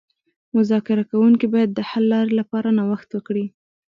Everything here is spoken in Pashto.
مذاکره کوونکي باید د حل لارې لپاره نوښت وکړي